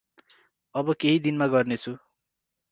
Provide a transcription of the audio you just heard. अब केहि दिनमा गर्नेछु ।